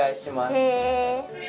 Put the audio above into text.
へえ！